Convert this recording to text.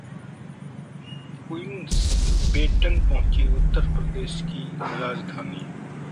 queen's Baton पहुंची उत्तर प्रदेश की राजधानी